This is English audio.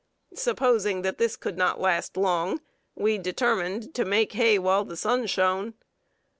Supposing that this could not last long, we determined to make hay while the sun shone.